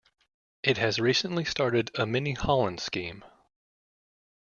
It has recently started a mini-Holland scheme.